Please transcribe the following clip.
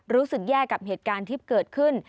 รู้สึกแย่กับเหตุการณ์ที่เกิดขึ้น